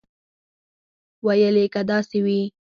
ویل یې که داسې وي.